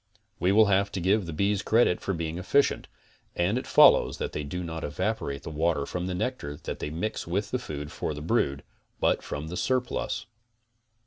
We will have to give the bees credit for being efficient, and it follows that they do not evaporate the water from the nectar that they mix with the food for the brood, but from the surplus.